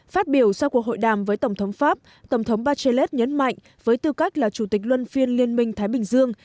phát biểu sau cuộc hội đàm với tổng thống pháp tổng thống barchelles nhấn mạnh với tư cách là chủ tịch luân phiên liên minh thái bình dương